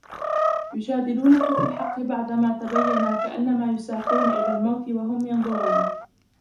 يُجَادِلُونَكَ فِي الْحَقِّ بَعْدَمَا تَبَيَّنَ كَأَنَّمَا يُسَاقُونَ إِلَى الْمَوْتِ وَهُمْ يَنْظُرُونَ